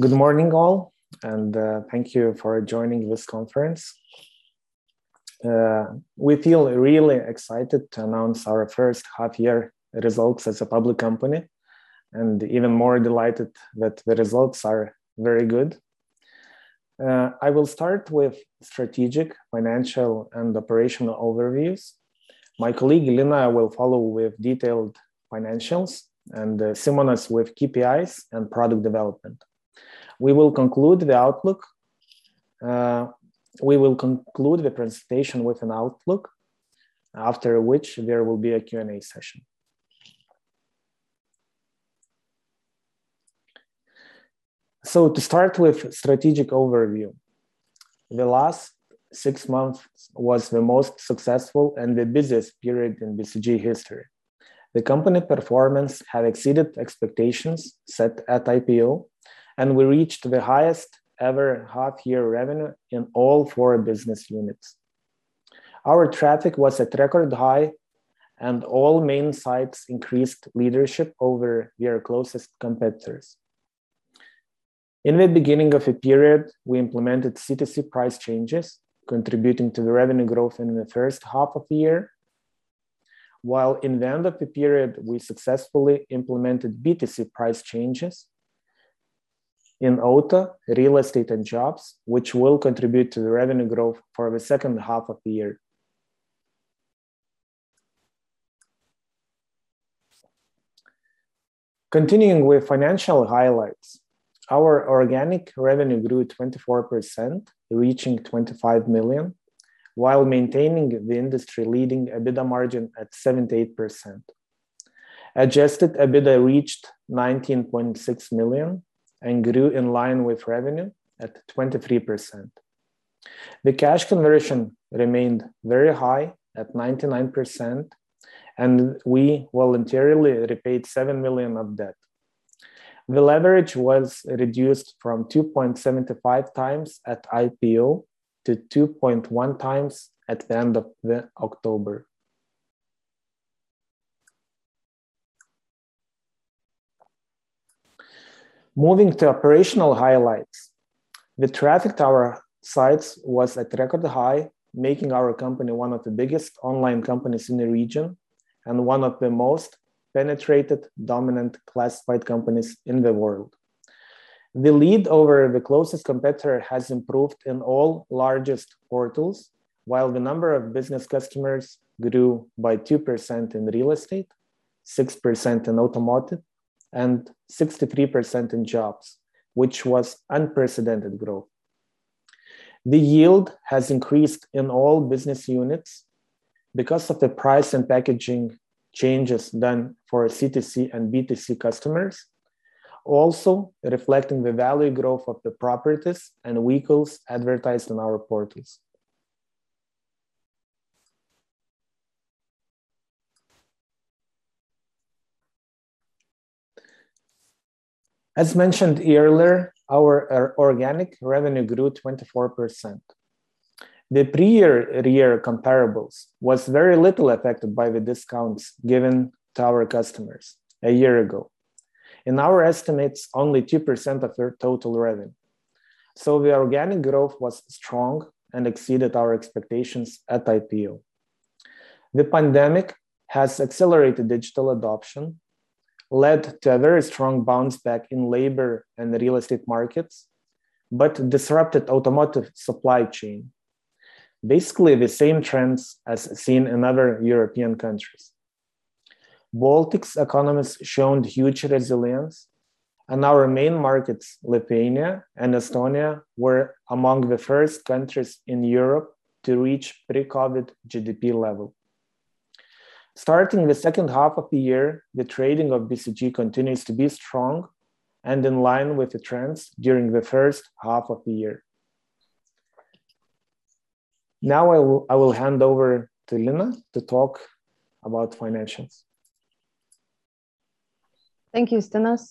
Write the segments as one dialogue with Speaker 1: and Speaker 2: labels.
Speaker 1: Good morning all, and thank you for joining this conference. We feel really excited to announce our first half-year results as a public company, and even more delighted that the results are very good. I will start with strategic, financial and operational overviews. My colleague, Lina, will follow with detailed financials and Simonas with KPIs and product development. We will conclude the presentation with an outlook, after which there will be a Q&A session. To start with strategic overview. The last six months was the most successful and the busiest period in BCG history. The company performance have exceeded expectations set at IPO, and we reached the highest ever half-year revenue in all four business units. Our traffic was at record high, and all main sites increased leadership over their closest competitors. In the beginning of the period, we implemented C2C price changes, contributing to the revenue growth in the first half of the year. While in the end of the period, we successfully implemented B2C price changes in Auto, Real Estate and Jobs, which will contribute to the revenue growth for the second half of the year. Continuing with financial highlights. Our organic revenue grew 24%, reaching 25 million, while maintaining the industry-leading EBITDA margin at 78%. Adjusted EBITDA reached 19.6 million and grew in line with revenue at 23%. The cash conversion remained very high at 99%, and we voluntarily repaid 7 million of debt. The leverage was reduced from 2.75x at IPO to 2.1x at the end of October. Moving to operational highlights. The traffic to our sites was at record high, making our company one of the biggest online companies in the region and one of the most penetrated dominant classified companies in the world. The lead over the closest competitor has improved in all largest portals, while the number of business customers grew by 2% in Real Estate, 6% in Automotive, and 63% in Jobs, which was unprecedented growth. The yield has increased in all business units because of the price and packaging changes done for C2C and B2C customers, also reflecting the value growth of the properties and vehicles advertised on our portals. As mentioned earlier, our organic revenue grew 24%. The prior-year comparables was very little affected by the discounts given to our customers a year ago. In our estimates, only 2% of their total revenue. The organic growth was strong and exceeded our expectations at IPO. The pandemic has accelerated digital adoption, led to a very strong bounce back in labor and the real estate markets, but disrupted automotive supply chain. Basically, the same trends as seen in other European countries. Baltic economies have shown huge resilience, and our main markets, Lithuania and Estonia, were among the first countries in Europe to reach pre-COVID GDP level. Starting the second half of the year, the trading of BCG continues to be strong and in line with the trends during the first half of the year. Now, I will hand over to Lina to talk about financials.
Speaker 2: Thank you, Justinas.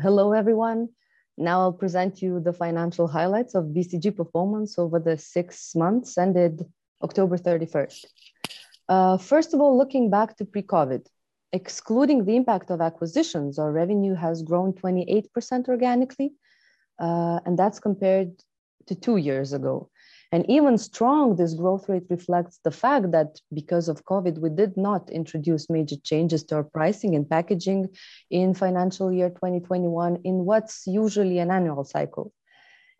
Speaker 2: Hello, everyone. Now, I'll present you the financial highlights of BCG performance over the six months ended October 31st. First of all, looking back to pre-COVID. Excluding the impact of acquisitions, our revenue has grown 28% organically, and that's compared to two years ago. Even stronger, this growth rate reflects the fact that because of COVID, we did not introduce major changes to our pricing and packaging in financial year 2021 in what's usually an annual cycle.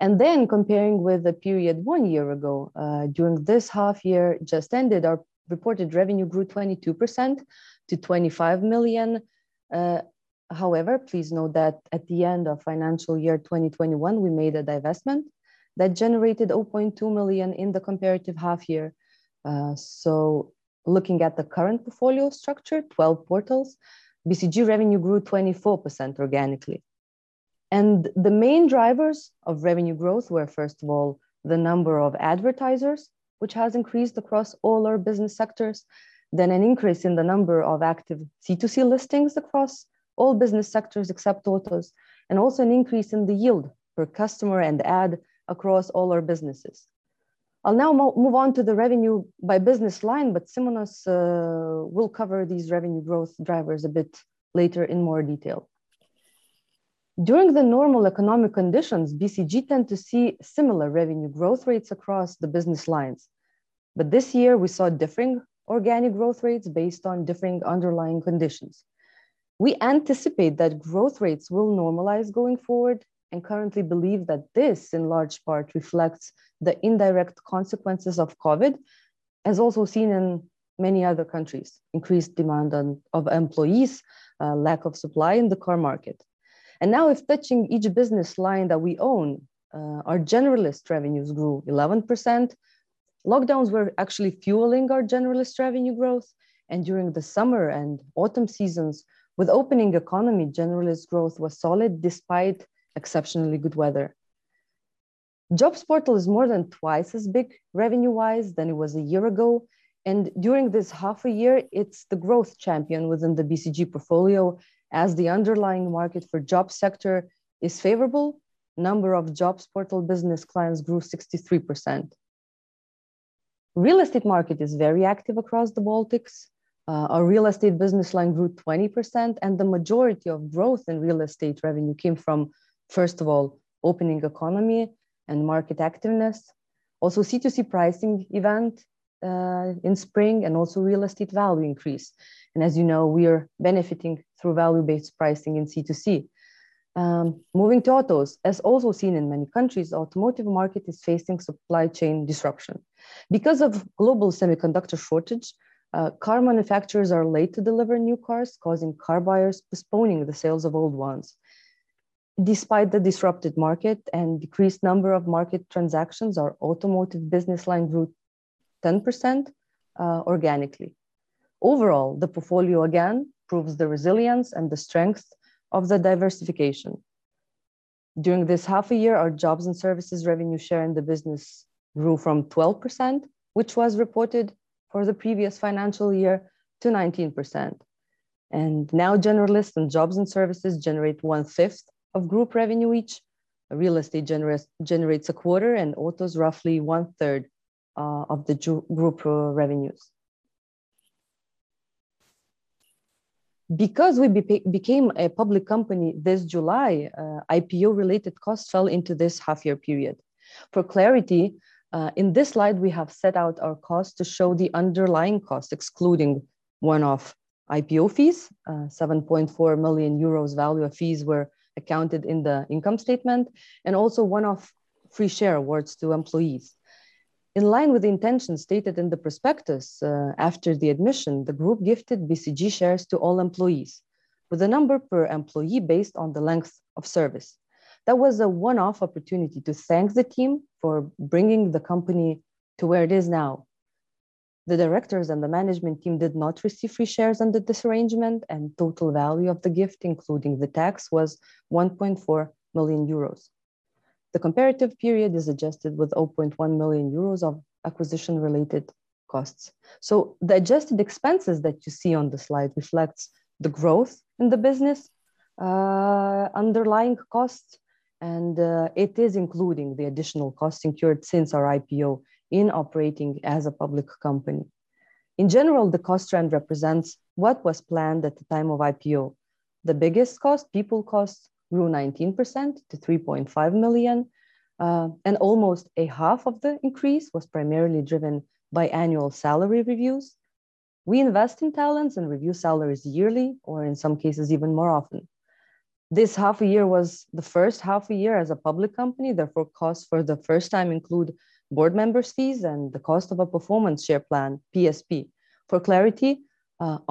Speaker 2: Then comparing with the period one year ago, during this half year just ended, our reported revenue grew 22% to 25 million. However, please note that at the end of financial year 2021, we made a divestment that generated 0.2 million in the comparative half year. Looking at the current portfolio structure, 12 portals, BCG revenue grew 24% organically. The main drivers of revenue growth were, first of all, the number of advertisers, which has increased across all our business sectors, an increase in the number of active C2C listings across all business sectors except autos, and also an increase in the yield per customer and ad across all our businesses. I'll now move on to the revenue by business line, but Simonas will cover these revenue growth drivers a bit later in more detail. During the normal economic conditions, BCG tend to see similar revenue growth rates across the business lines. This year we saw differing organic growth rates based on differing underlying conditions. We anticipate that growth rates will normalize going forward and currently believe that this, in large part, reflects the indirect consequences of COVID, as also seen in many other countries, increased demand for employees, lack of supply in the car market. Now, touching each business line that we own, our Generalist revenues grew 11%. Lockdowns were actually fueling our Generalist revenue growth, and during the summer and autumn seasons, with opening economy, Generalist growth was solid despite exceptionally good weather. Jobs portal is more than twice as big revenue-wise than it was a year ago. During this half a year, it's the growth champion within the BCG portfolio as the underlying market for jobs sector is favorable. Number of jobs portal business clients grew 63%. Real Estate market is very active across the Baltics. Our Real Estate business line grew 20%, and the majority of growth in Real Estate revenue came from, first of all, opening economy and market activeness, also C2C pricing event in spring and also Real Estate value increase. As you know, we are benefiting through value-based pricing in C2C. Moving to Auto. As also seen in many countries, automotive market is facing supply chain disruption. Because of global semiconductor shortage, car manufacturers are late to deliver new cars, causing car buyers postponing the sales of old ones. Despite the disrupted market and decreased number of market transactions, our Auto business line grew 10%, organically. Overall, the portfolio again proves the resilience and the strength of the diversification. During this half a year, our Jobs & Services revenue share in the business grew from 12%, which was reported for the previous financial year, to 19%. Now Generalist and Jobs & Services generate 1/5 of group revenue each. Real Estate generates 1/4, and Auto roughly 1/3 of the group revenues. Because we became a public company this July, IPO-related costs fell into this half-year period. For clarity, in this slide we have set out our costs to show the underlying cost, excluding one-off IPO fees. 7.4 million euros value of fees were accounted in the income statement, and also one-off free share awards to employees. In line with the intention stated in the prospectus, after the admission, the group gifted BCG shares to all employees, with the number per employee based on the length of service. That was a one-off opportunity to thank the team for bringing the company to where it is now. The directors and the management team did not receive free shares under this arrangement, and total value of the gift, including the tax, was 1.4 million euros. The comparative period is adjusted with 0.1 million euros of acquisition-related costs. The adjusted expenses that you see on the slide reflects the growth in the business, underlying costs, and it is including the additional costs incurred since our IPO in operating as a public company. In general, the cost trend represents what was planned at the time of IPO. The biggest cost, people costs, grew 19% to 3.5 million, and almost 1/2 of the increase was primarily driven by annual salary reviews. We invest in talents and review salaries yearly, or in some cases even more often. This half a year was the first half a year as a public company, therefore costs for the first time include board members' fees and the cost of a performance share plan, PSP. For clarity,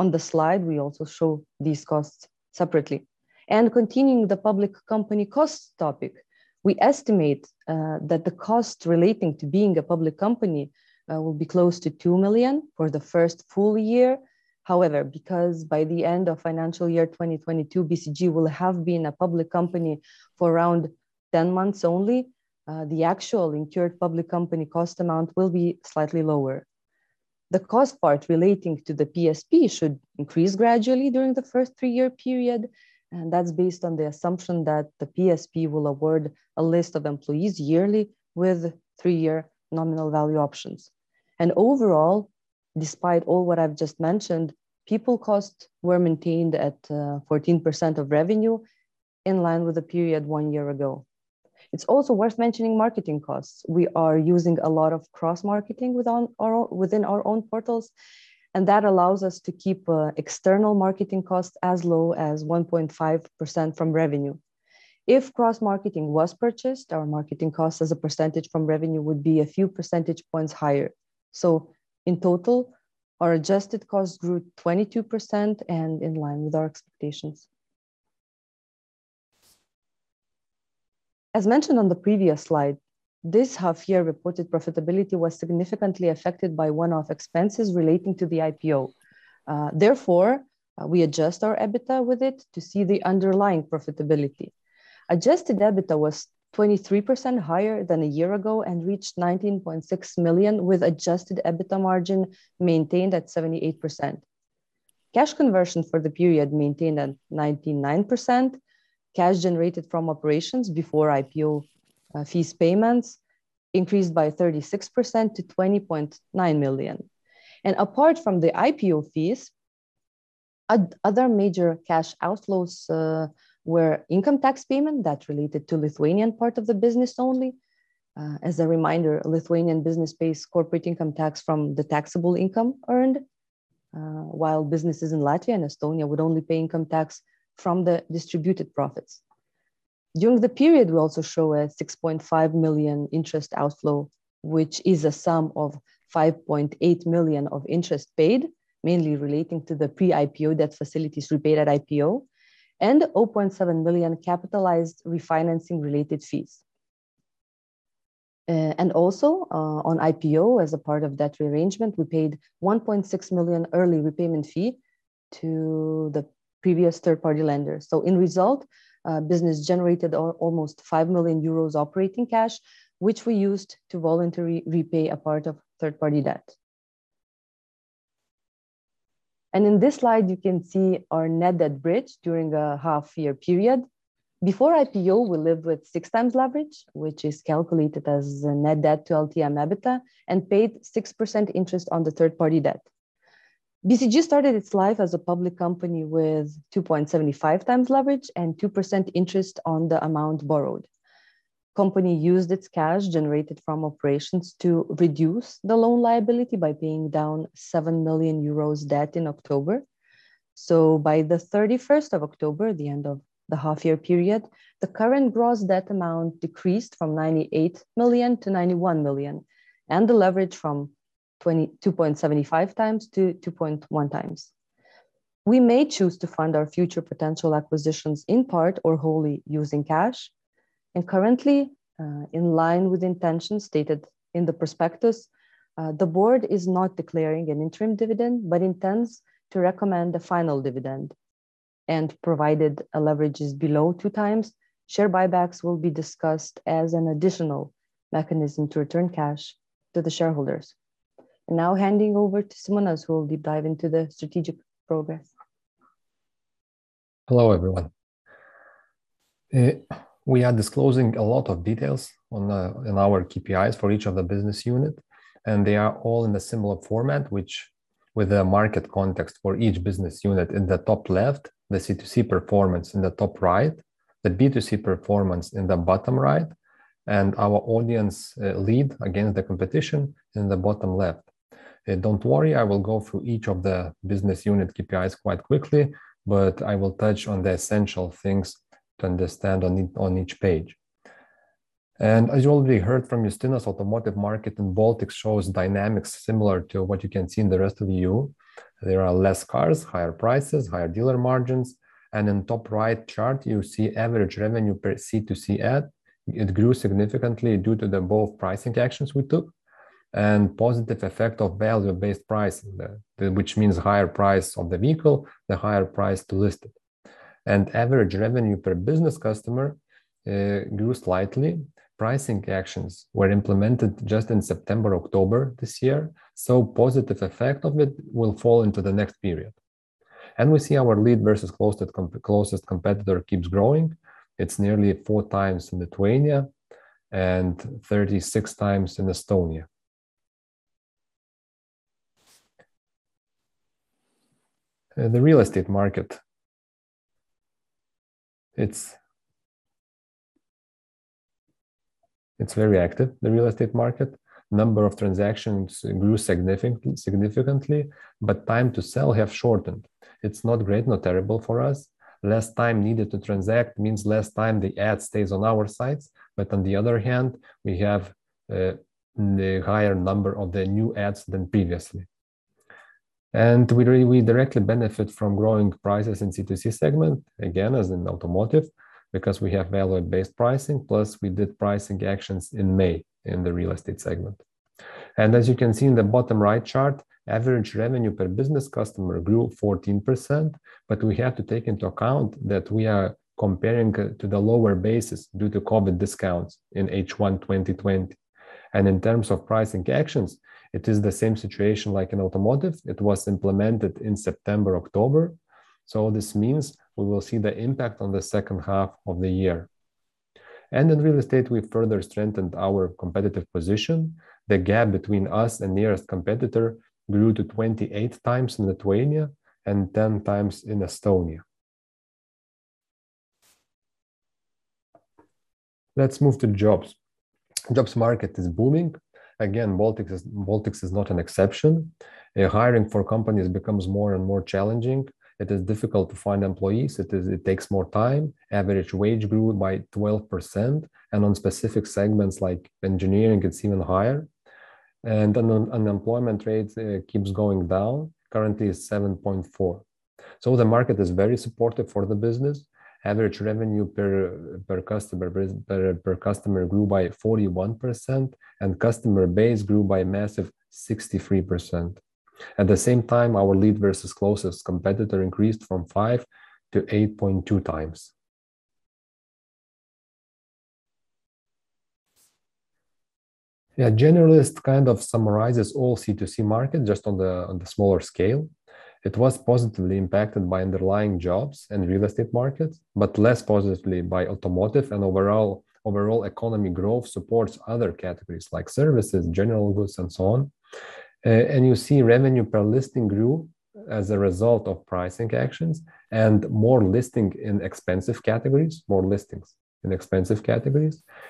Speaker 2: on the slide, we also show these costs separately. Continuing the public company cost topic, we estimate that the cost relating to being a public company will be close to 2 million for the first full year. However, because by the end of financial year 2022, BCG will have been a public company for around 10 months only, the actual incurred public company cost amount will be slightly lower. The cost part relating to the PSP should increase gradually during the first three-year period, and that's based on the assumption that the PSP will award a list of employees yearly with three-year nominal value options. Overall, despite all what I've just mentioned, people costs were maintained at 14% of revenue, in line with the period one year ago. It's also worth mentioning marketing costs. We are using a lot of cross-marketing within our own portals, and that allows us to keep external marketing costs as low as 1.5% from revenue. If cross-marketing was purchased, our marketing cost as a percentage from revenue would be a few percentage points higher. In total, our adjusted cost grew 22% and in line with our expectations. As mentioned on the previous slide, this half-year reported profitability was significantly affected by one-off expenses relating to the IPO. Therefore, we adjust our EBITDA with it to see the underlying profitability. Adjusted EBITDA was 23% higher than a year ago and reached 19.6 million, with adjusted EBITDA margin maintained at 78%. Cash conversion for the period maintained at 99%. Cash generated from operations before IPO fees payments increased by 36% to 20.9 million. Apart from the IPO fees, other major cash outflows were income tax payment that related to Lithuanian part of the business only. As a reminder, Lithuanian business pays corporate income tax from the taxable income earned, while businesses in Latvia and Estonia would only pay income tax from the distributed profits. During the period, we also show a 6.5 million interest outflow, which is a sum of 5.8 million of interest paid, mainly relating to the pre-IPO debt facilities repaid at IPO, and 0.7 million capitalized refinancing related fees. On IPO, as a part of debt rearrangement, we paid 1.6 million early repayment fee to the previous third-party lenders. In result, business generated almost 5 million euros operating cash, which we used to voluntarily repay a part of third-party debt. In this slide, you can see our net debt bridge during the half year period. Before IPO, we lived with 6x leverage, which is calculated as net debt to LTM EBITDA, and paid 6% interest on the third-party debt. BCG started its life as a public company with 2.75x leverage and 2% interest on the amount borrowed. Company used its cash generated from operations to reduce the loan liability by paying down 7 million euros debt in October. By the 31st of October, the end of the half year period, the current gross debt amount decreased from 98 million to 91 million, and the leverage from 2.75x to 2.1x. We may choose to fund our future potential acquisitions in part or wholly using cash. Currently, in line with intentions stated in the prospectus, the board is not declaring an interim dividend, but intends to recommend the final dividend. Provided a leverage is below 2x, share buybacks will be discussed as an additional mechanism to return cash to the shareholders. Now handing over to Simonas, who will deep dive into the strategic progress.
Speaker 3: Hello, everyone. We are disclosing a lot of details on, in our KPIs for each of the business unit, and they are all in a similar format, which with the market context for each business unit in the top left, the C2C performance in the top right, the B2C performance in the bottom right, and our audience, lead against the competition in the bottom left. Don't worry, I will go through each of the business unit KPIs quite quickly, but I will touch on the essential things to understand on each page. As you already heard from Justinas, automotive market in Baltics shows dynamics similar to what you can see in the rest of E.U. There are less cars, higher prices, higher dealer margins. In top right chart, you see average revenue per C2C ad. It grew significantly due to both pricing actions we took and positive effect of value-based pricing, which means higher price of the vehicle, the higher price to list it. Average revenue per business customer grew slightly. Pricing actions were implemented just in September, October this year, so positive effect of it will fall into the next period. We see our lead versus closest competitor keeps growing. It's nearly 4x in Lithuania and 36x in Estonia. The real estate market, it's very active, the real estate market. Number of transactions grew significantly, but time to sell has shortened. It's not great, not terrible for us. Less time needed to transact means less time the ad stays on our sites. On the other hand, we have the higher number of the new ads than previously. We really, we directly benefit from growing prices in C2C segment, again, as in Automotive, because we have value-based pricing, plus we did pricing actions in May in the Real Estate segment. As you can see in the bottom right chart, average revenue per business customer grew 14%, but we have to take into account that we are comparing to the lower base due to COVID discounts in H1 2020. In terms of pricing actions, it is the same situation like in Automotive. It was implemented in September, October. This means we will see the impact on the second half of the year. In Real Estate, we've further strengthened our competitive position. The gap between us and nearest competitor grew to 28 times in Lithuania and 10x in Estonia. Let's move to jobs. Jobs market is booming. Again, Baltics is not an exception. Hiring for companies becomes more and more challenging. It is difficult to find employees. It takes more time. Average wage grew by 12%, and on specific segments like engineering, it's even higher. Unemployment rate keeps going down. Currently, it's 7.4%. The market is very supportive for the business. Average revenue per customer grew by 41%, and customer base grew by a massive 63%. At the same time, our lead versus closest competitor increased from 5x to 8.2x. Yeah, Generalist kind of summarizes all C2C market just on the smaller scale. It was positively impacted by underlying jobs and real estate markets, but less positively by automotive, and overall economy growth supports other categories like services, general goods, and so on. You see revenue per listing grew as a result of pricing actions and more listings in expensive categories,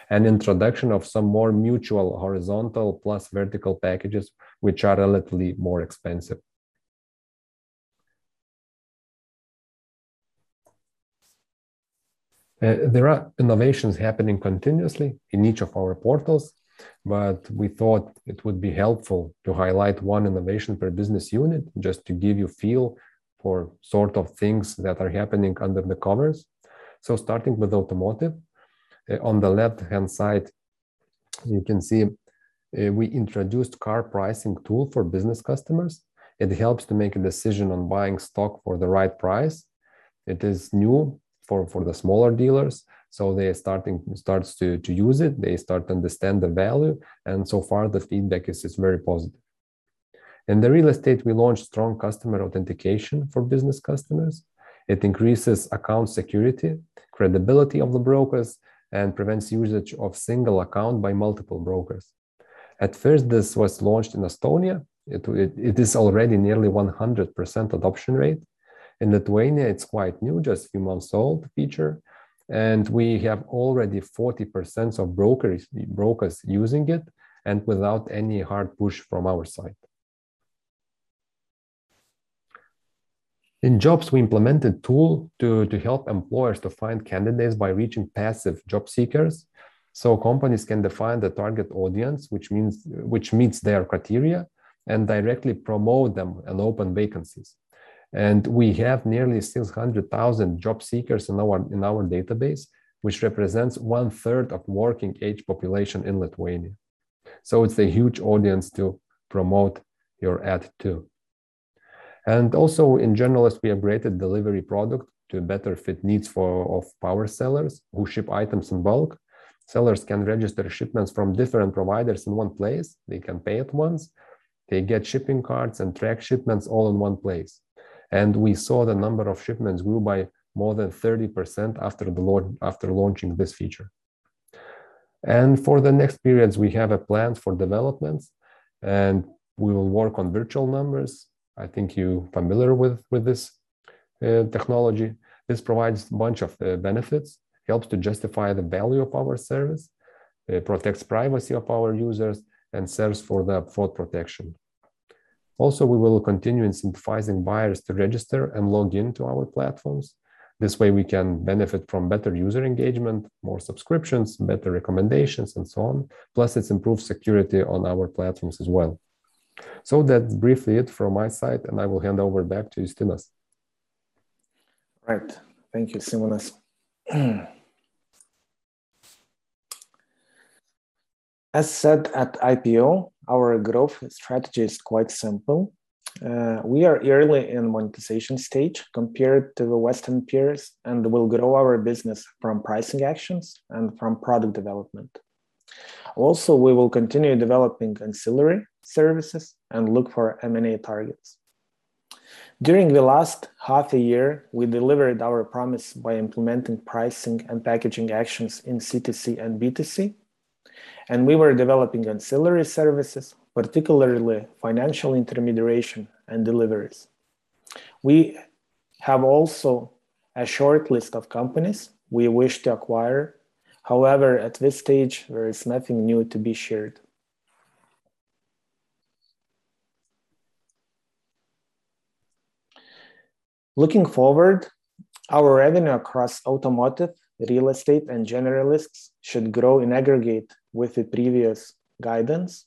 Speaker 3: and introduction of some more mutual horizontal plus vertical packages, which are relatively more expensive. There are innovations happening continuously in each of our portals, but we thought it would be helpful to highlight one innovation per business unit, just to give you a feel for sort of things that are happening under the covers. Starting with automotive, on the left-hand side you can see, we introduced car pricing tool for business customers. It helps to make a decision on buying stock for the right price. It is new for the smaller dealers, so they're starting to use it. They start to understand the value, and so far the feedback is very positive. In the Real Estate, we launched strong customer authentication for business customers. It increases account security, credibility of the brokers, and prevents usage of single account by multiple brokers. At first, this was launched in Estonia. It is already nearly 100% adoption rate. In Lithuania, it's quite new, just a few months old feature, and we have already 40% of brokers using it and without any hard push from our side. In Jobs, we implemented tool to help employers to find candidates by reaching passive job seekers. Companies can define the target audience, which meets their criteria, and directly promote them and open vacancies. We have nearly 600,000 job seekers in our database, which represents one-third of working age population in Lithuania. It's a huge audience to promote your ad to. Also in Generalist, we upgraded delivery product to better fit needs of power sellers who ship items in bulk. Sellers can register shipments from different providers in one place. They can pay at once. They get shipping cards and track shipments all in one place. We saw the number of shipments grew by more than 30% after the launch, after launching this feature. For the next periods, we have a plan for developments, and we will work on virtual numbers. I think you are familiar with this technology. This provides a bunch of benefits, helps to justify the value of our service, protects privacy of our users, and serves for the fraud protection. We will continue in simplifying buyers to register and log in to our platforms. This way we can benefit from better user engagement, more subscriptions, better recommendations, and so on. Plus, it improves security on our platforms as well. That's briefly it from my side, and I will hand over back to Justinas.
Speaker 1: Right. Thank you, Simonas. As said at IPO, our growth strategy is quite simple. We are early in monetization stage compared to the Western peers and will grow our business from pricing actions and from product development. Also, we will continue developing ancillary services and look for M&A targets. During the last half a year, we delivered our promise by implementing pricing and packaging actions in C2C and B2C, and we were developing ancillary services, particularly financial intermediation and deliveries. We have also a short list of companies we wish to acquire. However, at this stage, there is nothing new to be shared. Looking forward, our revenue across Automotive, Real Estate, and Generalist should grow in aggregate with the previous guidance.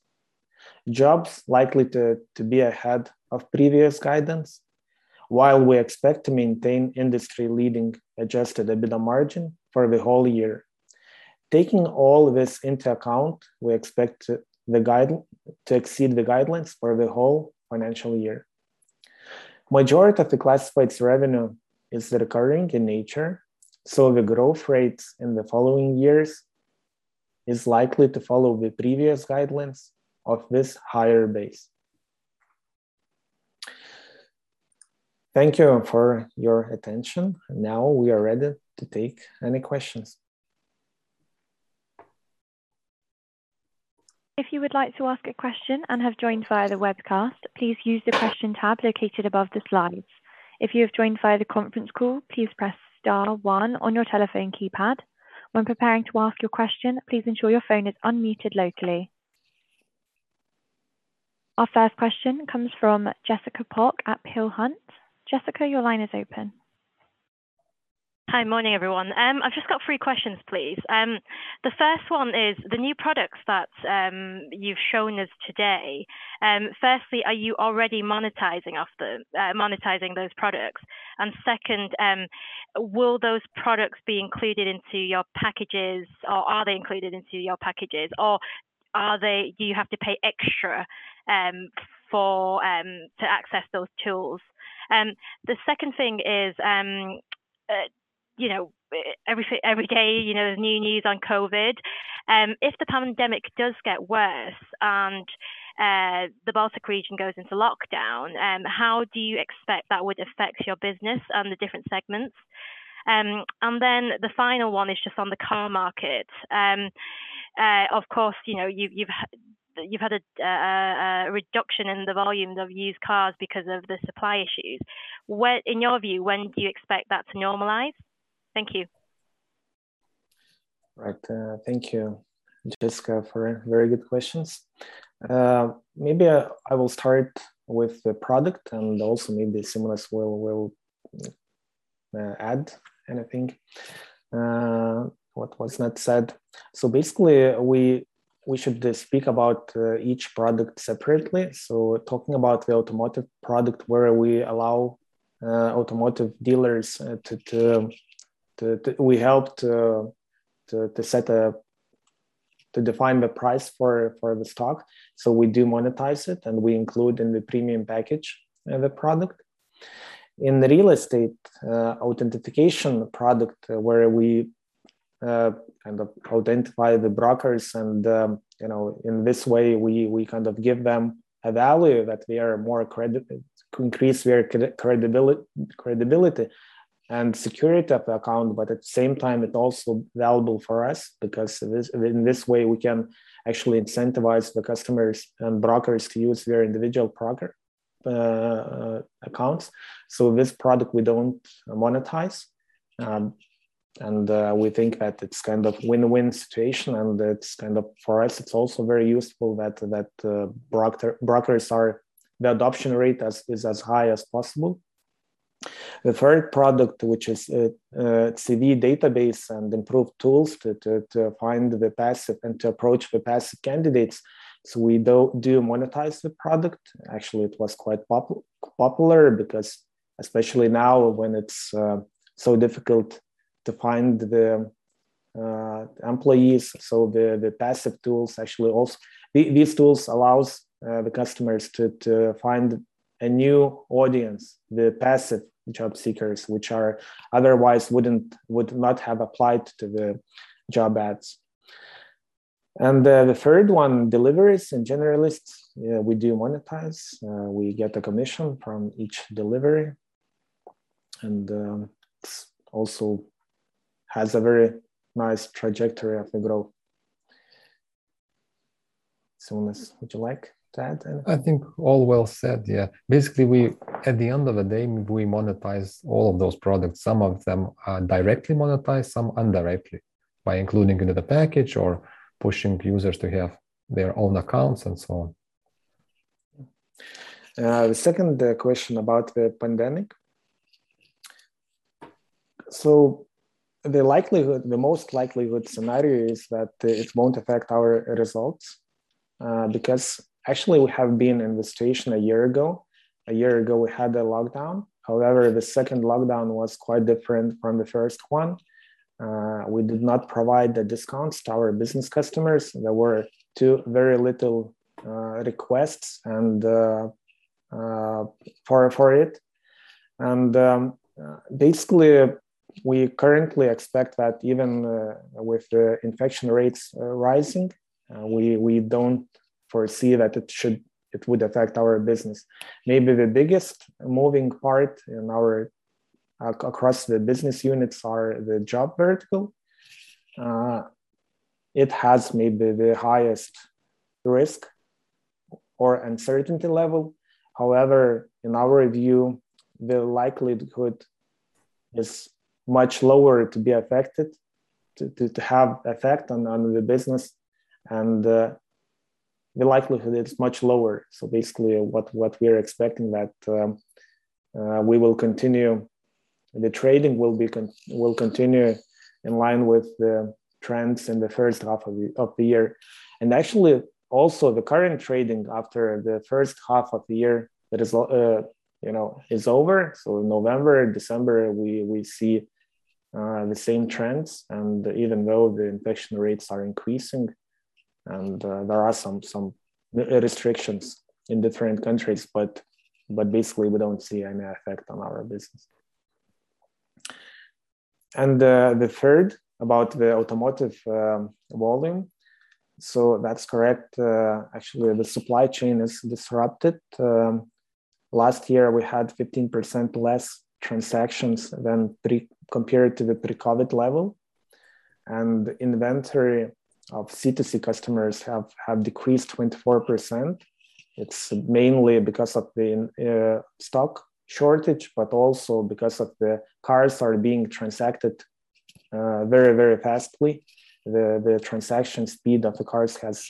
Speaker 1: Jobs likely to be ahead of previous guidance. While we expect to maintain industry leading adjusted EBITDA margin for the whole year. Taking all this into account, we expect the guidance to exceed the guidelines for the whole financial year. Majority of the Classifieds revenue is recurring in nature, so the growth rates in the following years is likely to follow the previous guidelines of this higher base. Thank you for your attention. Now, we are ready to take any questions.
Speaker 4: If you would like to ask a question and have joined via the webcast, please use the question tab located above the slides. If you have joined via the conference call, please press star one on your telephone keypad. When preparing to ask your question, please ensure your phone is unmuted locally. Our first question comes from Jessica Pok at Peel Hunt. Jessica, your line is open.
Speaker 5: Hi. Morning, everyone. I've just got three questions, please. The first one is the new products that you've shown us today. Firstly, are you already monetizing off them, monetizing those products? Second, will those products be included into your packages or are they included into your packages? Or are they, do you have to pay extra for to access those tools? The second thing is, you know, every day, you know, new news on COVID. If the pandemic does get worse and the Baltic region goes into lockdown, how do you expect that would affect your business and the different segments? The final one is just on the car market. Of course, you know, you've had a reduction in the volume of used cars because of the supply issues. In your view, when do you expect that to normalize? Thank you.
Speaker 1: Right. Thank you, Jessica, for very good questions. Maybe I will start with the product and also maybe Simonas will add anything what was not said. Basically, we should speak about each product separately. Talking about the automotive product where we help to set up to define the price for the stock. We do monetize it, and we include in the premium package the product. In the real estate authentication product where we kind of identify the brokers and, you know, in this way, we kind of give them a value that they are more accredited, increase their credibility and security of the account. At the same time, it's also valuable for us because this, in this way we can actually incentivize the customers and brokers to use their individual broker accounts. This product we don't monetize. We think that it's kind of win-win situation, and it's kind of, for us, it's also very useful that the brokers' adoption rate is as high as possible. The third product, which is CV database and improved tools to find the passive candidates and to approach the passive candidates. We do monetize the product. Actually, it was quite popular because especially now when it's so difficult to find the employees. The passive tools actually also these tools allows the customers to find a new audience, the passive job seekers, which are otherwise would not have applied to the job ads. The third one, deliveries and Generalist, yeah, we do monetize. We get a commission from each delivery. It also has a very nice trajectory of the growth. Simonas, would you like to add anything?
Speaker 3: I think all well said. Yeah. Basically, at the end of the day, we monetize all of those products. Some of them are directly monetized, some indirectly by including into the package or pushing users to have their own accounts and so on.
Speaker 1: The second question about the pandemic. The most likely scenario is that it won't affect our results. Because actually we have been in the situation a year ago. A year ago, we had a lockdown. However, the second lockdown was quite different from the first one. We did not provide the discounts to our business customers. There were very little requests for it. Basically, we currently expect that even with the infection rates rising, we don't foresee that it would affect our business. Maybe the biggest moving part across the business units are the job vertical. It has maybe the highest risk or uncertainty level. However, in our view, the likelihood is much lower to be affected, to have effect on the business. The likelihood is much lower. What we're expecting is that the trading will continue in line with the trends in the first half of the year. Actually, the current trading after the first half of the year that is, you know, is over. November, December, we see the same trends. Even though the infection rates are increasing and there are some restrictions in different countries, but basically we don't see any effect on our business. The third about the automotive volume. That's correct. Actually, the supply chain is disrupted. Last year we had 15% less transactions compared to the pre-COVID level. Inventory of C2C customers have decreased 24%. It's mainly because of the stock shortage, but also because of the cars are being transacted very fast. The transaction speed of the cars has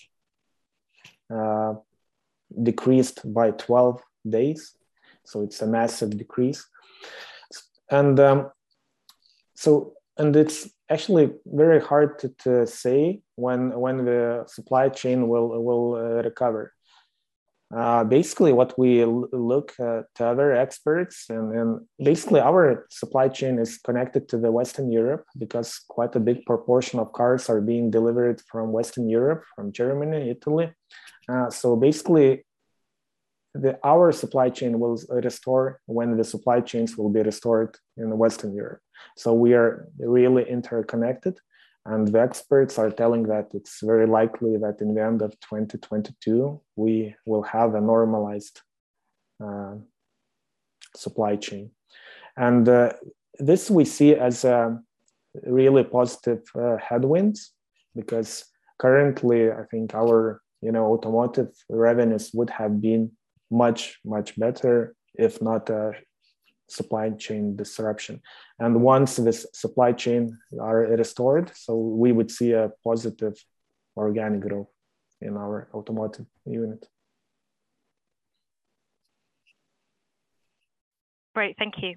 Speaker 1: decreased by 12 days. It's a massive decrease. It's actually very hard to say when the supply chain will recover. Basically we look to other experts and basically our supply chain is connected to Western Europe because quite a big proportion of cars are being delivered from Western Europe, from Germany, Italy. Basically our supply chain will restore when the supply chains will be restored in Western Europe. We are really interconnected, and the experts are telling that it's very likely that in the end of 2022 we will have a normalized supply chain. This we see as really positive headwinds because currently I think our, you know, automotive revenues would have been much, much better if not, supply chain disruption. Once this supply chain are restored, so we would see a positive organic growth in our automotive unit.
Speaker 4: Great. Thank you.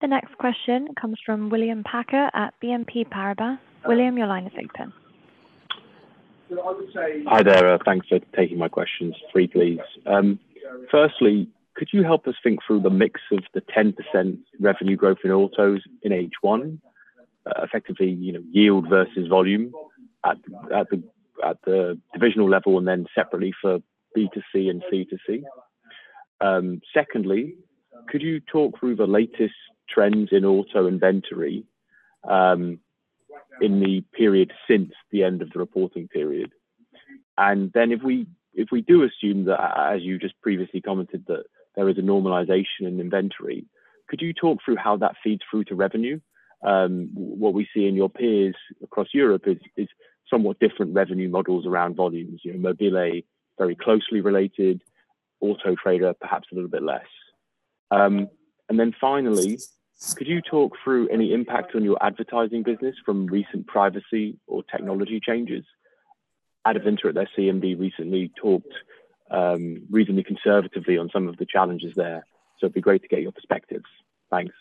Speaker 4: The next question comes from William Packer at BNP Paribas. William, your line is open.
Speaker 6: Hi there. Thanks for taking my questions. Three please. First, could you help us think through the mix of the 10% revenue growth in autos in H1, effectively, yield versus volume at the divisional level, and then separately for B2C and C2C? Second, could you talk through the latest trends in auto inventory in the period since the end of the reporting period? If we do assume that as you just previously commented, that there is a normalization in inventory, could you talk through how that feeds through to revenue? What we see in your peers across Europe is somewhat different revenue models around volumes, mobile.de very closely related, Auto Trader perhaps a little bit less. Finally, could you talk through any impact on your advertising business from recent privacy or technology changes? Adevinta recently talked reasonably conservatively on some of the challenges there. It'd be great to get your perspectives. Thanks.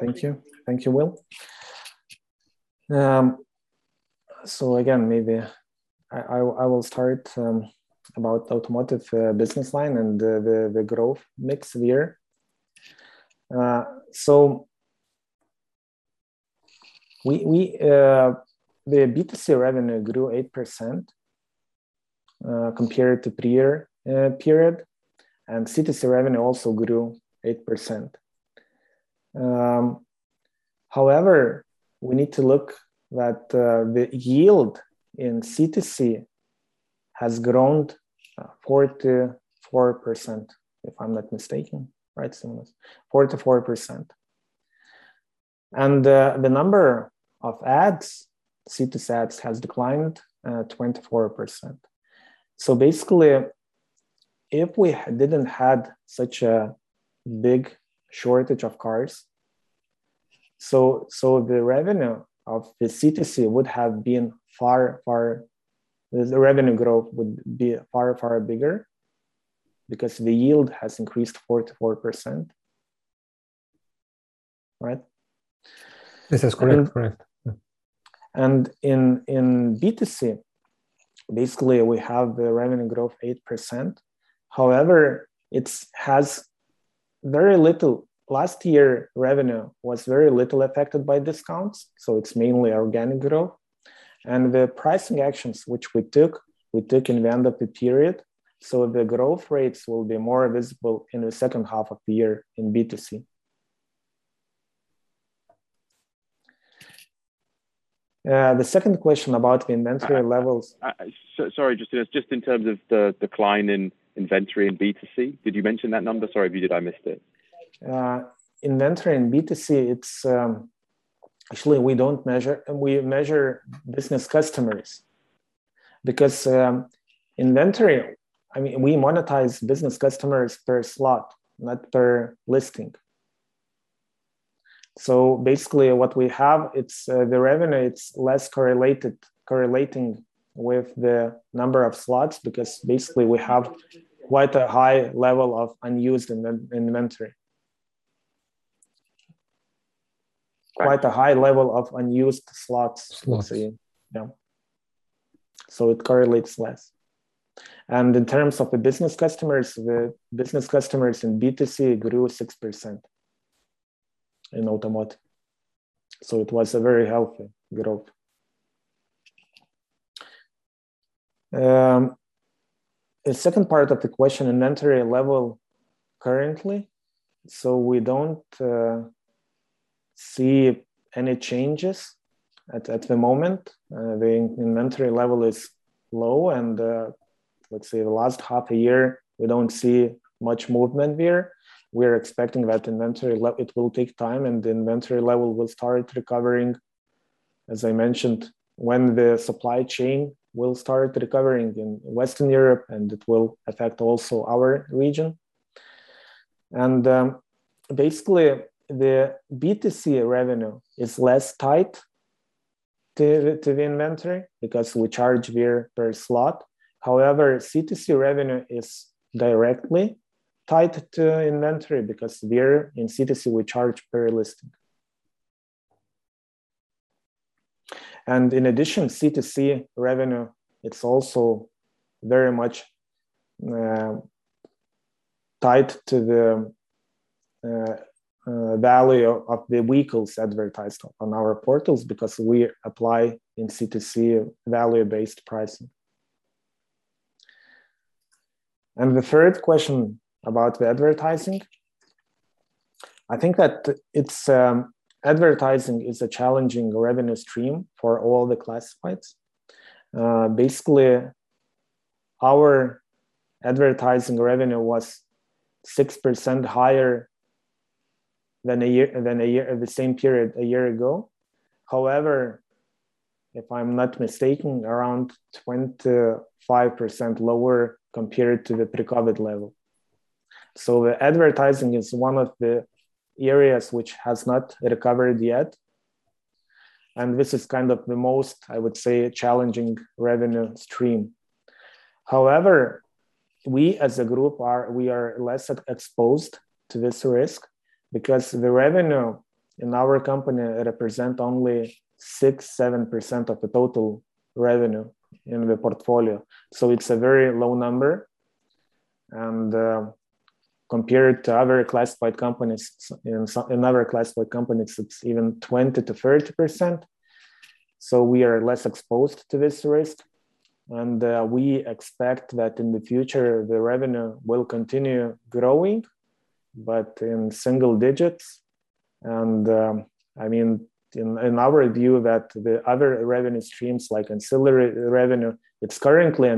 Speaker 1: Thank you. Thank you, Will. Again, maybe I will start about automotive business line and the growth mix there. The B2C revenue grew 8% compared to prior period, and C2C revenue also grew 8%. However, we need to look at that. The yield in C2C has grown 44%, if I'm not mistaken. Right, Simonas? 44%. The number of ads, C2C ads, has declined 24%. Basically, if we didn't have such a big shortage of cars, the revenue of the C2C would have been far bigger. The revenue growth would be far bigger because the yield has increased 44%. Right?
Speaker 3: This is correct. Correct. Yeah.
Speaker 1: In B2C, basically, we have the revenue growth 8%. However, it has very little. Last year, revenue was very little affected by discounts, so it's mainly organic growth. The pricing actions which we took in the end of the period, so the growth rates will be more visible in the second half of the year in B2C. The second question about the inventory levels.
Speaker 6: Sorry, just in terms of the decline in inventory in B2C, did you mention that number? Sorry if you did, I missed it.
Speaker 1: Inventory in B2C, it's actually we don't measure. We measure business customers. Because I mean, we monetize business customers per slot, not per listing. Basically, what we have, it's the revenue, it's less correlated with the number of slots because basically we have quite a high level of unused inventory.
Speaker 6: Right.
Speaker 1: Quite a high level of unused slots.
Speaker 6: Slots
Speaker 1: Yeah. It correlates less. In terms of the business customers, the business customers in B2C grew 6% in automotive. It was a very healthy growth. The second part of the question, inventory level currently. We don't see any changes at the moment. The inventory level is low and, let's say the last half a year we don't see much movement there. We're expecting that it will take time and the inventory level will start recovering, as I mentioned, when the supply chain will start recovering in Western Europe and it will affect also our region. Basically the B2C revenue is less tied to the inventory because we charge there per slot. However, C2C revenue is directly tied to inventory because there in C2C we charge per listing. In addition, C2C revenue, it's also very much tied to the value of the vehicles advertised on our portals because we apply in C2C value-based pricing. The third question about the advertising. I think that it's advertising is a challenging revenue stream for all the classifieds. Basically, our advertising revenue was 6% higher than the same period a year ago. However, if I'm not mistaken, around 25% lower compared to the pre-COVID level. The advertising is one of the areas which has not recovered yet, and this is kind of the most, I would say, challenging revenue stream. However, we are less exposed to this risk because the revenue in our company represent only 6%-7% of the total revenue in the portfolio. It's a very low number. Compared to other classified companies, in other classified companies, it's even 20%-30%. We are less exposed to this risk. We expect that in the future the revenue will continue growing, but in single digits. I mean, in our view that the other revenue streams like ancillary revenue, it's currently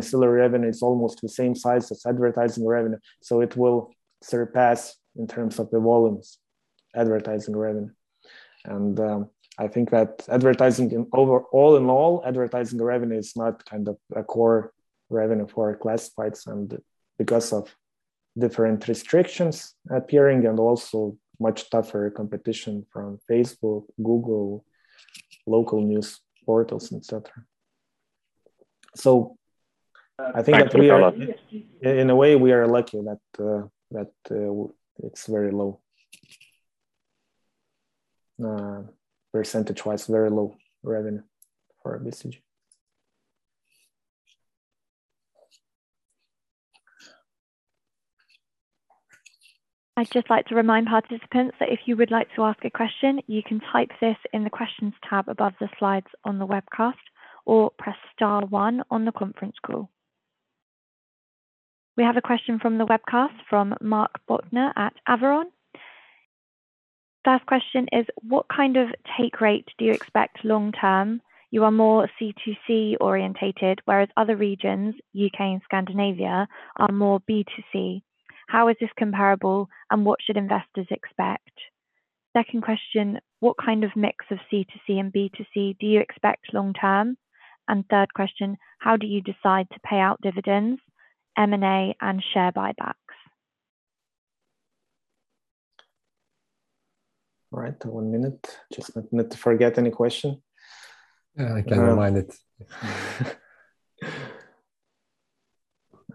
Speaker 1: almost the same size as advertising revenue. It will surpass in terms of the volumes advertising revenue. I think that advertising overall in all, advertising revenue is not kind of a core revenue for classifieds and because of different restrictions appearing and also much tougher competition from Facebook, Google, local news portals, et cetera. I think that we are, in a way, we are lucky that it's very low. Percentage-wise very low revenue for BCG.
Speaker 4: I'd just like to remind participants that if you would like to ask a question, you can type this in the questions tab above the slides on the webcast or press star one on the conference call. We have a question from the webcast from Mark Botner at. First question is, what kind of take rate do you expect long term? You are more C2C oriented, whereas other regions, U.K. and Scandinavia, are more B2C. How is this comparable and what should investors expect? Second question, what kind of mix of C2C and B2C do you expect long term? Third question, how do you decide to pay out dividends, M&A, and share buybacks?
Speaker 1: All right. One minute. Just not to forget any question.
Speaker 3: I can remind it.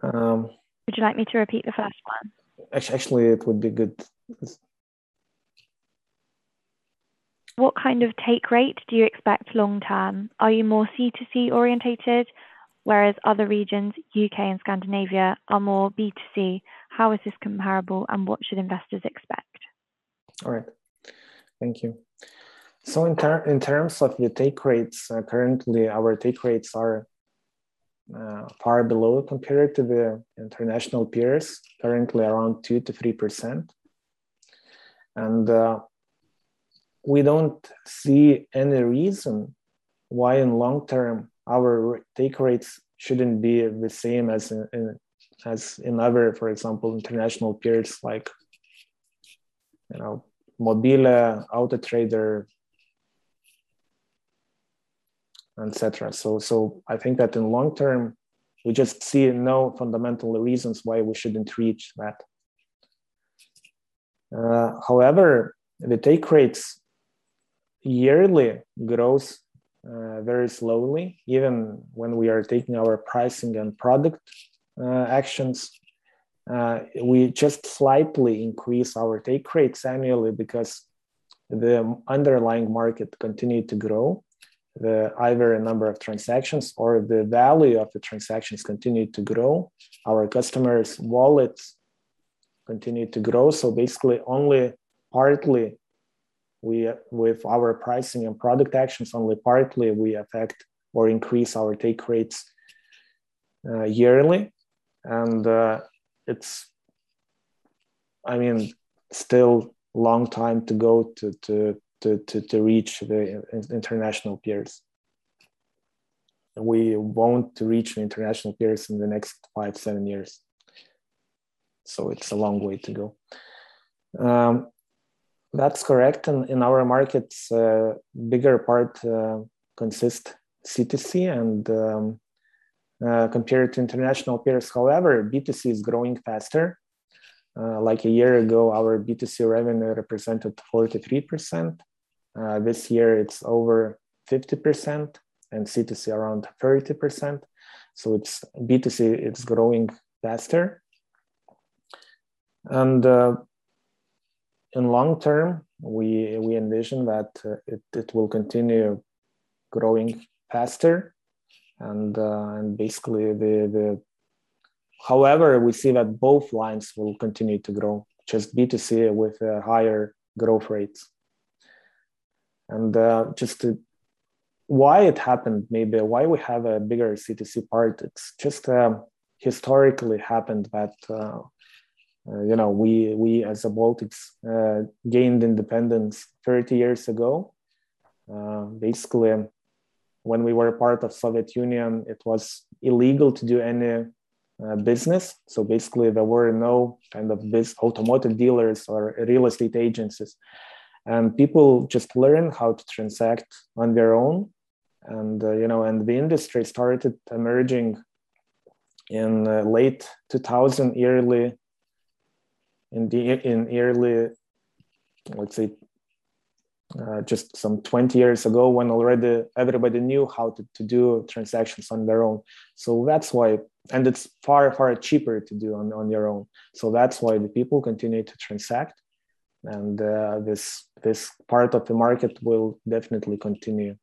Speaker 1: Um.
Speaker 4: Would you like me to repeat the first one?
Speaker 1: Actually, it would be good.
Speaker 4: What kind of take rate do you expect long term? Are you more C2C oriented, whereas other regions, U.K. and Scandinavia, are more B2C. How is this comparable and what should investors expect?
Speaker 1: All right. Thank you. In terms of the take rates, currently our take rates are far below compared to the international peers, currently around 2%-3%. We don't see any reason why in long term our take rates shouldn't be the same as in other, for example, international peers like, you know, mobile.de, Auto Trader, et cetera. I think that in long term we just see no fundamental reasons why we shouldn't reach that. However, the take rates yearly grows very slowly. Even when we are taking our pricing and product actions, we just slightly increase our take rates annually because the underlying market continue to grow. Either the number of transactions or the value of the transactions continue to grow. Our customers' wallets continue to grow. Basically, with our pricing and product actions, only partly we affect or increase our take rates yearly. It's, I mean, still long time to go to reach the international peers. We want to reach international peers in the next five to seven years. It's a long way to go. That's correct. In our markets, bigger part consists of C2C and compared to international peers. However, B2C is growing faster. Like a year ago, our B2C revenue represented 43%. This year it's over 50% and C2C around 30%. It's B2C, it's growing faster. In the long term, we envision that it will continue growing faster and basically the, however, we see that both lines will continue to grow, just B2C with higher growth rates. Why it happened maybe or why we have a bigger C2C part, it's just historically happened that you know we as the Baltics gained independence 30 years ago. Basically when we were a part of Soviet Union, it was illegal to do any business. Basically there were no kind of automotive dealers or real estate agencies. People just learn how to transact on their own and you know the industry started emerging in the late 2000s, let's say just some 20 years ago, when already everybody knew how to do transactions on their own. That's why it's far cheaper to do on your own. That's why the people continue to transact and this part of the market will definitely continue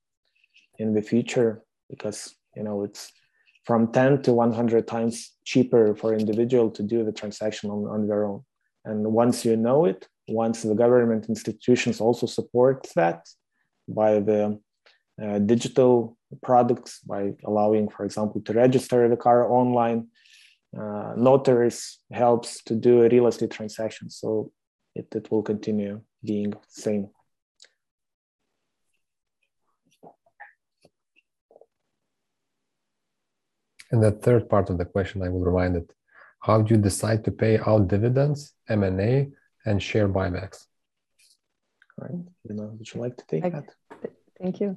Speaker 1: in the future because, you know, it's from 10x-100x cheaper for individual to do the transaction on their own. Once the government institutions also support that by the digital products by allowing, for example, to register the car online, notaries helps to do a real estate transaction, so it will continue being the same.
Speaker 3: The third part of the question, I will remind it. How do you decide to pay out dividends, M&A, and share buybacks?
Speaker 1: All right. Lina, would you like to take that?
Speaker 2: Thank you.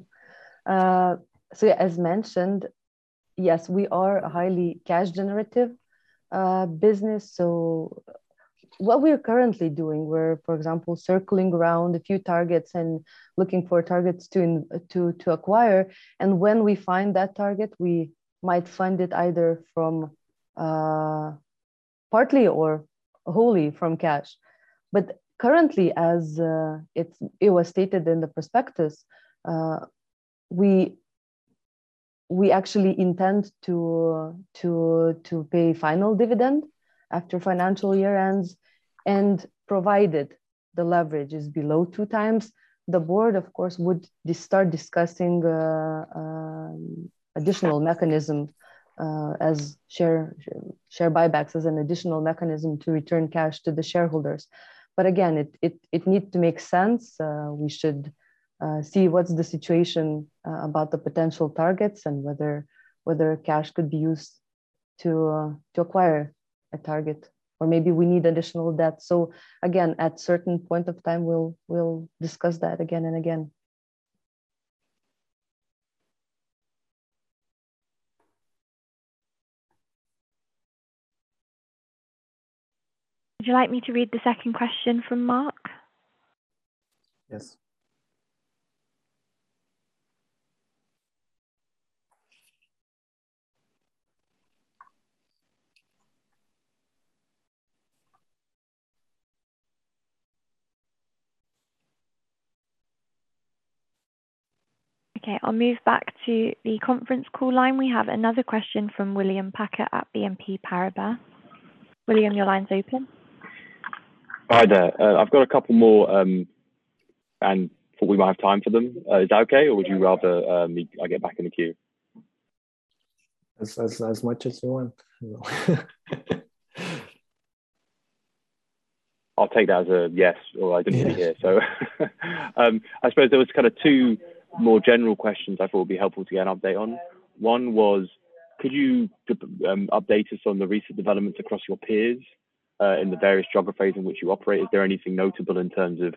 Speaker 2: As mentioned, yes, we are a highly cash generative business. What we are currently doing, for example, circling around a few targets and looking for targets to acquire. When we find that target, we might fund it either partly or wholly from cash. Currently, as it was stated in the prospectus, we actually intend to pay final dividend after financial year ends. Provided the leverage is below 2x, the board of course would start discussing additional mechanism as share buybacks as an additional mechanism to return cash to the shareholders. Again, it needs to make sense. We should see what's the situation about the potential targets and whether cash could be used to acquire a target or maybe we need additional debt. Again, at certain point of time, we'll discuss that again and again.
Speaker 4: Would you like me to read the second question from Mark?
Speaker 3: Yes.
Speaker 4: Okay. I'll move back to the conference call line. We have another question from William Packer at BNP Paribas. William, your line's open.
Speaker 6: Hi there. I've got a couple more, and thought we might have time for them. Is that okay? Would you rather I get back in the queue?
Speaker 1: As much as you want.
Speaker 6: I'll take that as a yes or I didn't hear.
Speaker 1: Yes.
Speaker 6: I suppose there was kinda two more general questions I thought would be helpful to get an update on. One was, could you update us on the recent developments across your peers in the various geographies in which you operate? Is there anything notable in terms of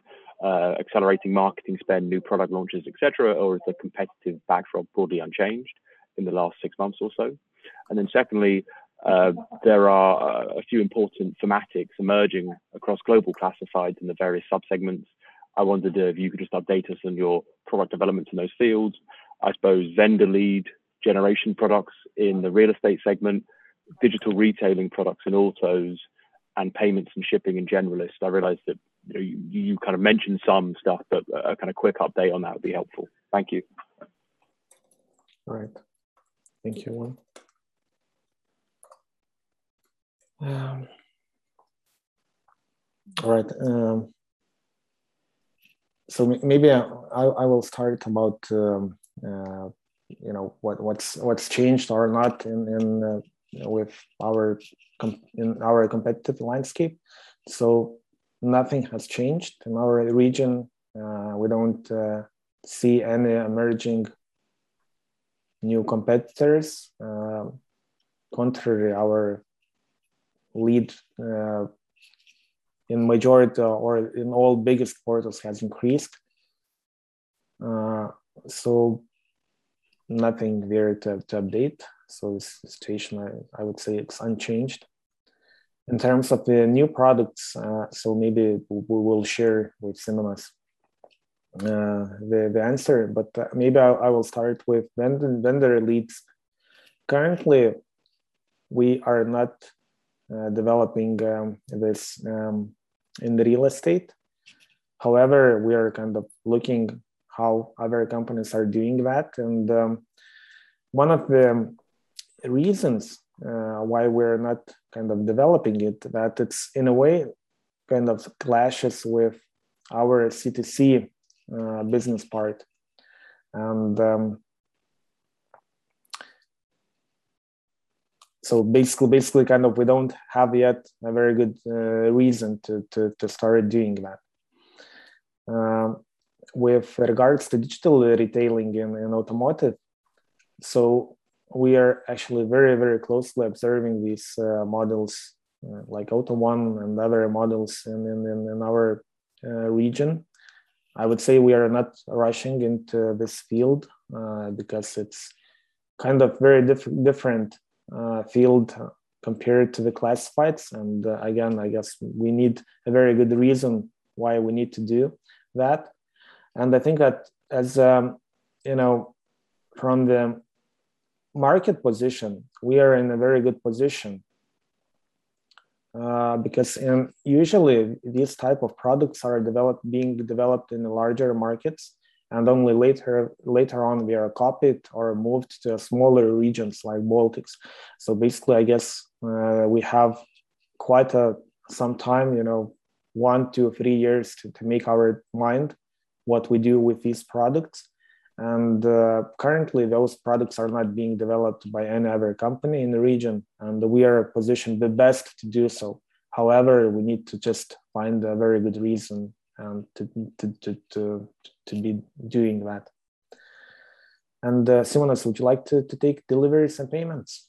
Speaker 6: accelerating marketing spend, new product launches, et cetera, or is the competitive backdrop broadly unchanged in the last six months or so? Secondly, there are a few important thematics emerging across global classifieds in the various sub-segments. I wondered if you could just update us on your product developments in those fields. I suppose vendor lead generation products in the Real Estate segment, digital retailing products in Auto, and payments and shipping in Generalist. I realize that, you know, you kind of mentioned some stuff, but a kind of quick update on that would be helpful. Thank you.
Speaker 1: All right. Thank you, Will. Maybe I will start about, you know, what's changed or not in our competitive landscape. Nothing has changed in our region. We don't see any emerging new competitors. Contrary, our lead in majority or in all biggest portals has increased. Nothing there to update. The situation, I would say, is unchanged. In terms of the new products, maybe we will share with Simonas the answer, but maybe I will start with vendor leads. Currently we are not developing this in Real Estate. However, we are kind of looking how other companies are doing that and one of the reasons why we're not kind of developing it, that it's in a way kind of clashes with our C2C business part. Basically, basically kind of we don't have yet a very good reason to start doing that. With regards to digital retailing in automotive, we are actually very closely observing these models like Auto1 and other models in our region. I would say we are not rushing into this field because it's kind of very different field compared to the classifieds. Again, I guess we need a very good reason why we need to do that. I think that as, you know, from the market position, we are in a very good position, because usually these type of products are developed, being developed in larger markets, and only later on they are copied or moved to smaller regions like Baltics. Basically, I guess, we have quite some time, you know, one to three years to make our mind what we do with these products. Currently those products are not being developed by any other company in the region, and we are positioned the best to do so. However, we need to just find a very good reason to be doing that. Simonas, would you like to take deliveries and payments?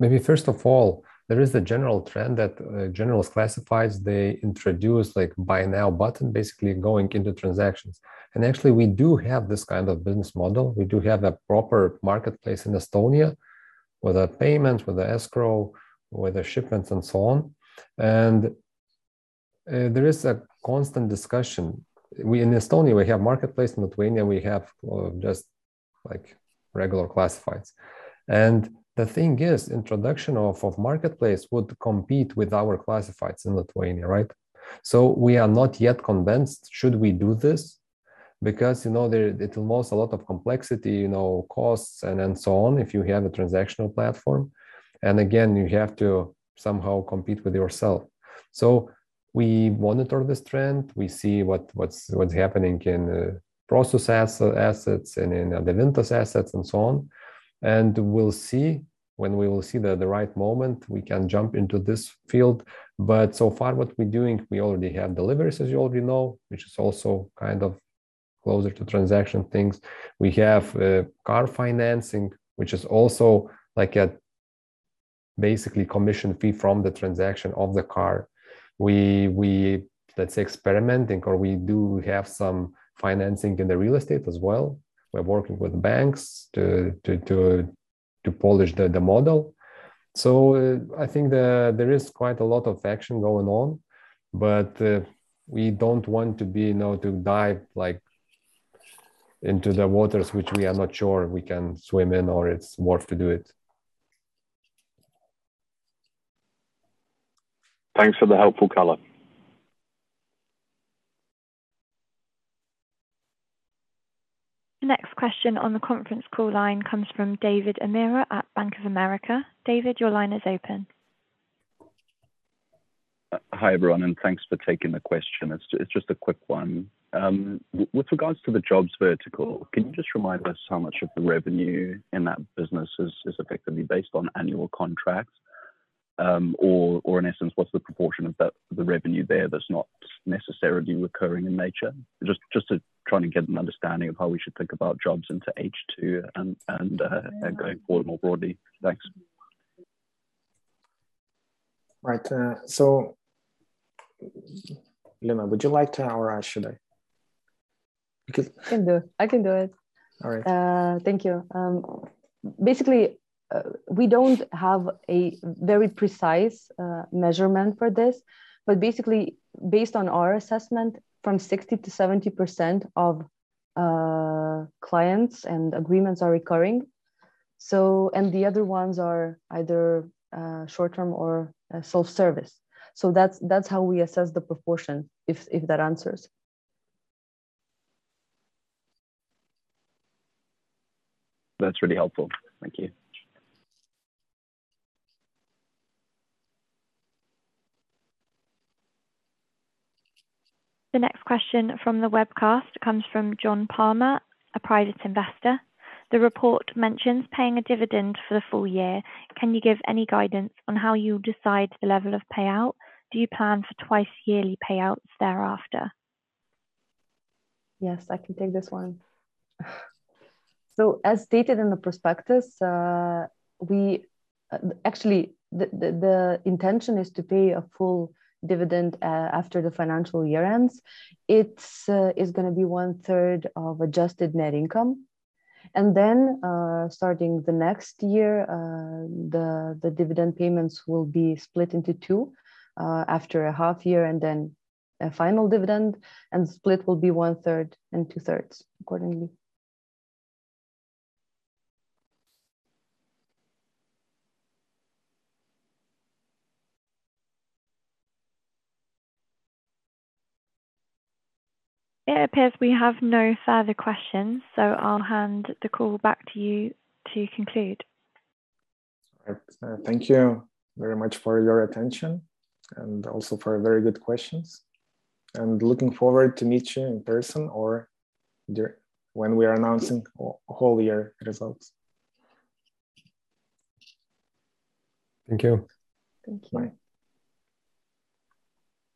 Speaker 3: Maybe first of all, there is the general trend that general classifieds introduce like buy now button, basically going into transactions. Actually we do have this kind of business model. We do have a proper marketplace in Estonia with the payments, with the escrow, with the shipments and so on. There is a constant discussion. We, in Estonia, we have marketplace. In Lithuania, we have just like regular classifieds. The thing is, introduction of marketplace would compete with our classifieds in Lithuania, right? We are not yet convinced should we do this because, you know, there, it involves a lot of complexity, you know, costs and then so on if you have a transactional platform. Again, you have to somehow compete with yourself. We monitor this trend. We see what's happening in Prosus assets and in the Adevinta assets and so on. We'll see. When we will see the right moment, we can jump into this field. So far what we're doing, we already have deliveries, as you already know, which is also kind of closer to transaction things. We have car financing, which is also like a basically commission fee from the transaction of the car. Let's say experimenting or we do have some financing in the Real Estate as well. We're working with banks to polish the model. I think there is quite a lot of action going on. We don't want to be you know, to dive like into the waters which we are not sure we can swim in or it's worth to do it.
Speaker 6: Thanks for the helpful color.
Speaker 4: The next question on the conference call line comes from David Amira at Bank of America. David, your line is open.
Speaker 7: Hi, everyone, and thanks for taking the question. It's just a quick one. With regards to the jobs vertical, can you just remind us how much of the revenue in that business is effectively based on annual contracts? Or in essence what's the proportion of that, the revenue there that's not necessarily recurring in nature? Just to try and get an understanding of how we should think about jobs into H2 and going forward more broadly. Thanks.
Speaker 1: Right. Lina, would you like to, or should I?
Speaker 2: I can do it.
Speaker 1: All right.
Speaker 2: Thank you. Basically, we don't have a very precise measurement for this. Basically based on our assessment, 60%-70% of clients and agreements are recurring. The other ones are either short-term or self-service. That's how we assess the proportion, if that answers.
Speaker 7: That's really helpful. Thank you.
Speaker 4: The next question from the webcast comes from John Palmer, a private investor. The report mentions paying a dividend for the full year. Can you give any guidance on how you decide the level of payout? Do you plan for twice yearly payouts thereafter?
Speaker 2: Yes, I can take this one. As stated in the prospectus, actually the intention is to pay a full dividend after the financial year ends. It's gonna be 1/3 of adjusted net income. Starting the next year, the dividend payments will be split into two after a half year and then a final dividend. Split will be one third and two thirds accordingly.
Speaker 4: It appears we have no further questions, so I'll hand the call back to you to conclude.
Speaker 1: All right. Thank you very much for your attention and also for very good questions. Looking forward to meet you in person when we are announcing whole year results.
Speaker 3: Thank you.
Speaker 2: Thank you.
Speaker 1: Bye.